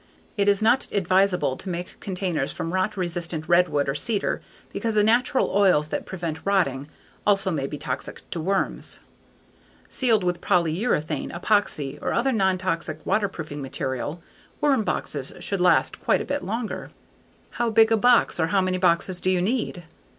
It is not advisable to make containers from rot resistant redwood or cedar because the natural oils that prevent rotting also may be toxic to worms. Sealed with polyurethane, epoxy, or other non toxic waterproofing material, worm boxes should last quite a bit longer. How big a box or how many boxes do you need?